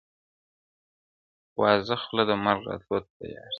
وازه خوله د مرګ راتللو ته تیار سو-